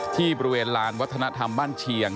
ที่บริเวณลานวัฒนธรรมบ้านเชียง